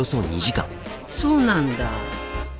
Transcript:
そうなんだ。